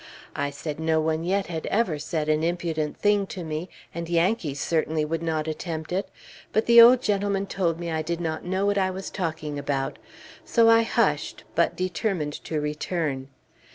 I said no one yet had ever said an impudent thing to me, and Yankees certainly would not attempt it; but the old gentleman told me I did not know what I was talking about; so I hushed, but determined to return.